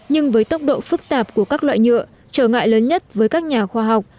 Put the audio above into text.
nhưng với tốc độ phức tạp của các loại nhựa trở ngại lớn nhất với các nhà khoa học